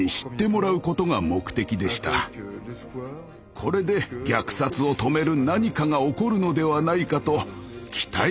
これで虐殺を止める何かが起こるのではないかと期待したのです。